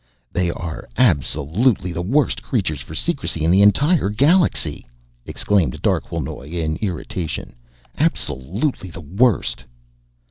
"They are absolutely the worst creatures for secrecy in the entire galaxy!" exclaimed Darquelnoy in irritation. "Absolutely the worst."